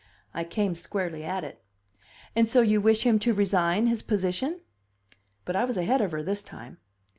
I came squarely at it. "And so you wish him to resign his position?" But I was ahead of her this time.